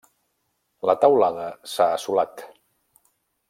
La teulada s'ha assolat.